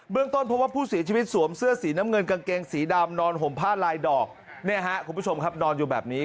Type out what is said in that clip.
ต้นเพราะว่าผู้เสียชีวิตสวมเสื้อสีน้ำเงินกางเกงสีดำนอนห่มผ้าลายดอกเนี่ยฮะคุณผู้ชมครับนอนอยู่แบบนี้